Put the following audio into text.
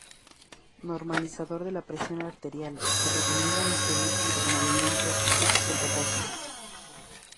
Normalizador de la presión arterial, se recomienda ingerir junto con alimentos ricos en potasio.